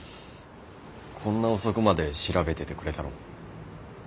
こんな遅くまで調べててくれたの？